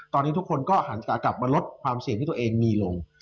ตอนนี้ทุกคนก็หักกลองมาลดความเสี่ยงที่มีลง